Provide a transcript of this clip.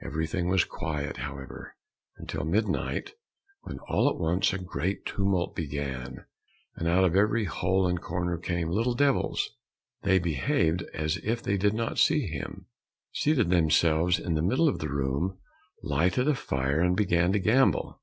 Everything was quiet, however, till midnight, when all at once a great tumult began, and out of every hole and corner came little devils. They behaved as if they did not see him, seated themselves in the middle of the room, lighted a fire, and began to gamble.